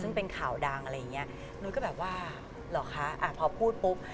ซึ่งเป็นข่าวดังอะไรอย่างเงี้ยนุ้ยก็แบบว่าเหรอคะอ่ะพอพูดปุ๊บ